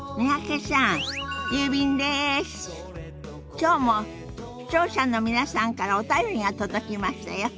きょうも視聴者の皆さんからお便りが届きましたよ。